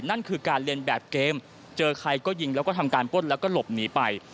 นั่นคือการเรียนแบบเกมเจอใครก็ยิงแล้วก็ทำการป้นแล้วก็หลบหนีไป